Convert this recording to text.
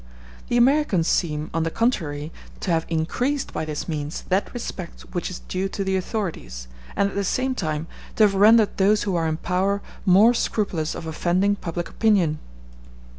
The Americans seem, on the contrary, to have increased by this means that respect which is due to the authorities, and at the same time to have rendered those who are in power more scrupulous of offending public opinion.